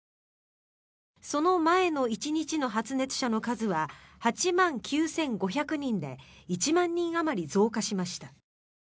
その前の１日の発熱者の数は８万９５００人で１万人あまり増加しました。